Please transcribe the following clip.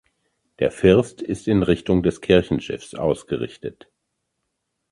Der First ist in Richtung des Kirchenschiffs ausgerichtet.